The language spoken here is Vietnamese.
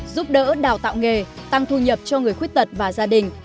giúp đỡ đào tạo nghề tăng thu nhập cho người khuyết tật và gia đình